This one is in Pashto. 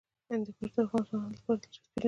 هندوکش د افغان ځوانانو لپاره دلچسپي لري.